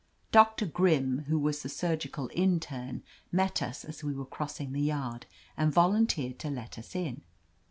Doctor Grim, who was the surgical in terne, met us as we were crossing the yard, and volunteered to let us in.